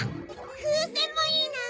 ふうせんもいいなぁ！